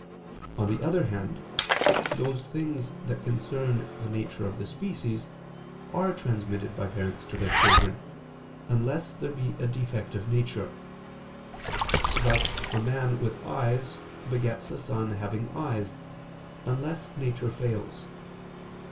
On the other hand, those things that concern the nature of the species, are transmitted by parents to their children, unless there be a defect of nature: thus a man with eyes begets a son having eyes, unless nature fails.